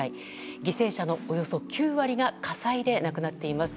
犠牲者のおよそ９割が火災で亡くなっています。